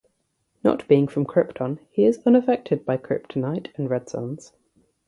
Not being from Krypton he is unaffected by Kryptonite and red suns.